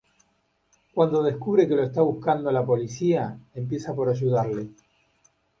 Cuando descubre que lo está buscando la policía, empieza por ayudarle.